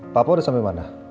papa udah sampe mana